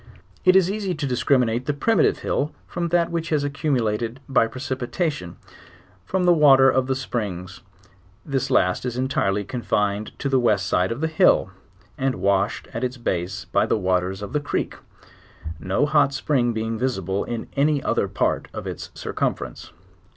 It is easy to discriminate the primitive hill from that which has accumulated, by pre sipitation, from the water of the springs: this last is entire ly confined to the west side of the hill, and washed at its base by the waters of the creek, no hot spring being visible in any other part of its circumference.